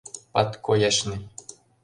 Падкоящный!